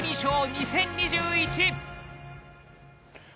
２０２１